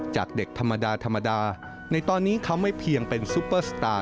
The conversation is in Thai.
จากเด็กธรรมดาธรรมดาในตอนนี้เขาไม่เพียงเป็นซุปเปอร์สตาร์